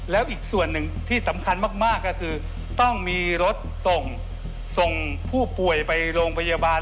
แล้วอีกส่วนหนึ่งที่สำคัญมากก็คือต้องมีรถส่งส่งผู้ป่วยไปโรงพยาบาล